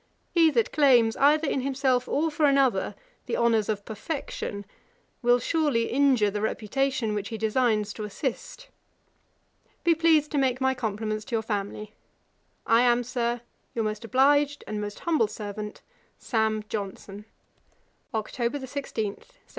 He that claims, either in himself or for another, the honours of perfection, will surely injure the reputation which he designs to assist. 'Be pleased to make my compliments to your family. 'I am, Sir, 'Your most obliged 'And most humble servant, 'Sam. Johnson.' 'Oct. 16, 1765.